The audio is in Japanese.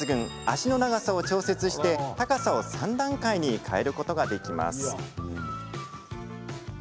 脚の長さを調節して、高さを３段階に変えることができます。